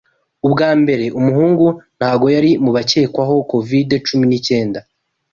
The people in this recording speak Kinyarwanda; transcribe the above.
Ubwa mbere, umuhungu ntago yari mubakekwaho covid cumi n'icyenda.